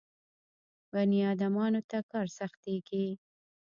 بني ادمانو ته کار سختېږي.